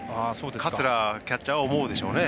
桂キャッチャーは思うでしょうね。